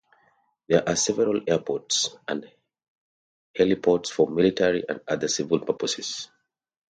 There are several airports and heliports for military and other civil purposes.